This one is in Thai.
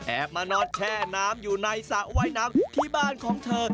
มานอนแช่น้ำอยู่ในสระว่ายน้ำที่บ้านของเธอ